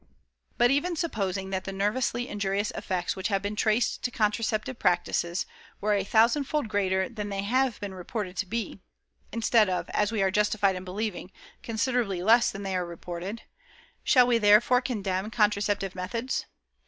But even supposing that the nervously injurious effects which have been traced to contraceptive practices were a thousandfold greater than they have been reported to be instead of, as we are justified in believing, considerably less than they are reported shall we therefore condemn contraceptive methods?